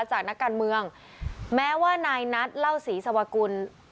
จากนักการเมืองแม้ว่านายนัทเล่าศรีสวกุล